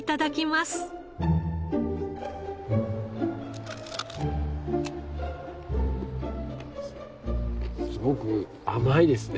すごく甘いですね。